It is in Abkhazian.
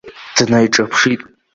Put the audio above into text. Днаиҿаԥшит.